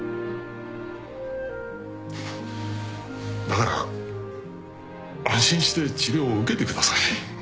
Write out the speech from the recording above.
だから安心して治療を受けてください。